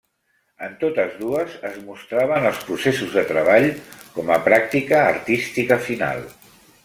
En totes dues es mostraven els processos de treball com a pràctica artística final.